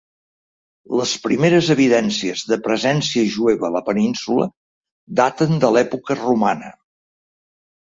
Les primeres evidències de presència jueva a la Península daten de l'època romana.